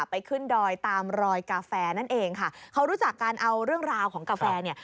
ไปขึ้นดอยตามรอยกาแฟนั่นเองค่ะเขารู้จักการเอาเรื่องราวของกาแฟเนี่ย